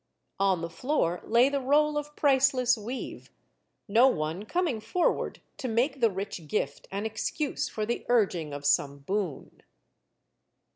On the floor lay the roll of priceless weave, no one coming forward to make the rich gift an excuse for the urging of some boon.